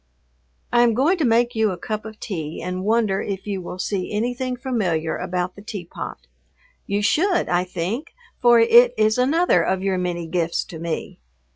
I am going to make you a cup of tea and wonder if you will see anything familiar about the teapot. You should, I think, for it is another of your many gifts to me.